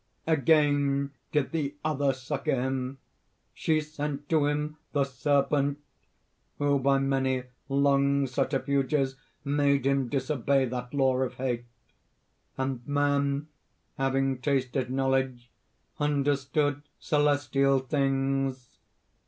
"Again did the other succor him. She sent to him the Serpent, who, by many long subterfuges, made him disobey that law of hate. "And Man, having tasted knowledge, understood celestial things."